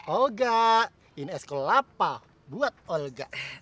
oga ini es kelapa buat olga